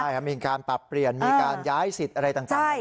มีการปรับเปลี่ยนมีการย้ายสิทธิ์อะไรต่าง